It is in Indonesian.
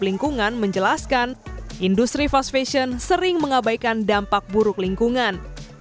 lingkungan menjelaskan industri fast fashion sering mengabaikan dampak buruk lingkungan